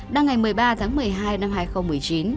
đăng ngày một mươi ba tháng một mươi hai năm hai nghìn một mươi chín